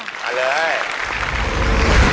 กลับมาเลย